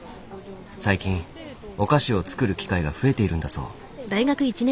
最近お菓子を作る機会が増えているんだそう。